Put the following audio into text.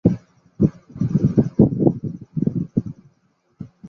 گݙان٘ہہ دے وس ہے جو ٻیڑی تے ناں چڑھے